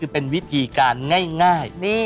เป็นวิธีการง่าย